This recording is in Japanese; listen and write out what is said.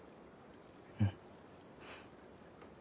うん。